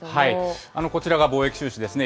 こちらが貿易収支ですね。